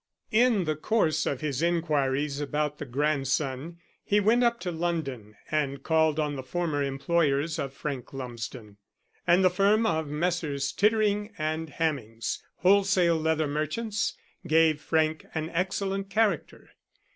In the course of his inquiries about the grandson he went up to London and called on the former employers of Frank Lumsden, and the firm of Messrs. Tittering & Hammings, wholesale leather merchants, gave Frank an excellent character.